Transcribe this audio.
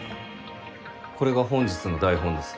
これが本日の台本です